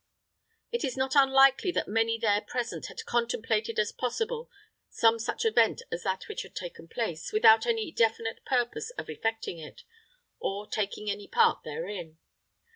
It is not unlikely that many there present had contemplated as possible some such event as that which had taken place, without any definite purpose of effecting it, or taking any part therein.